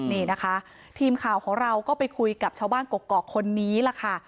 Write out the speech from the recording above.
นี่นะคะทีมข่าวของเราก็ไปคุยกับชาวบ้านกกอกคนนี้ล่ะค่ะ